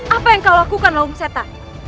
apa yang kau lakukan longseta